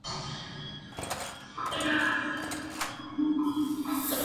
El escritor Somerset Maugham y el político Winston Churchill se alojaron allí.